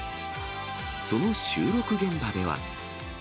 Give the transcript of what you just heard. その収録現場では。